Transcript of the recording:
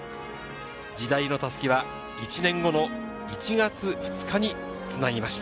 時代の襷は１年後の１月２日につなぎました。